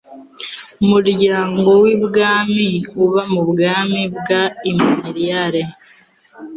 Umuryango wibwami uba mubwami bwa Imperial.